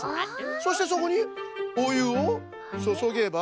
そしてそこにおゆをそそげば。